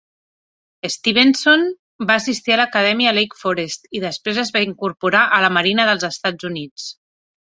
Stevenson va assistir a l"Acadèmia Lake Forest i després es va incorporar a la Marina dels Estats Units.